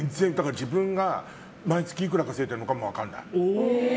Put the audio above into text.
自分が毎月いくら稼いでるのかも分かんない。